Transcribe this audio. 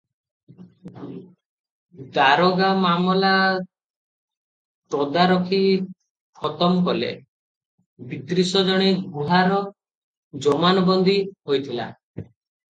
ଦାରୋଗା ମାମଲା ତଦାରଖି ଖତମ କଲେ; ବତ୍ରିଶ ଜଣ ଗୁହାର ଜମାନବନ୍ଦୀ ହୋଇଥିଲା ।